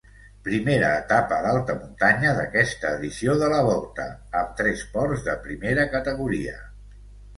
Primera etapa d'alta muntanya d'aquesta edició de la Volta, amb tres ports de primera categoria.